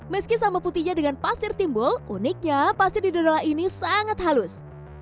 meski sama putihnya dengan pasir timbul uniknya pasir di dodola ini sangat halus